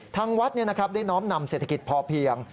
ทางวัดนี่นะครับได้น้อมนำเศรษฐกิจพอเพียง